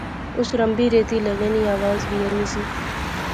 اس رمبی ریتی لغے نی آواز وی اینی سی